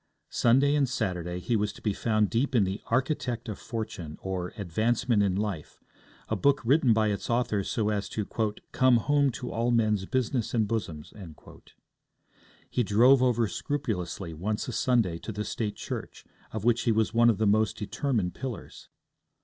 Sunday and Saturday he was to be found deep in The Architect of Fortune; or, Advancement in Life, a book written by its author so as to 'come home to all men's business and bosoms.' He drove over scrupulously once a Sunday to the State church, of which he was one of the most determined pillars.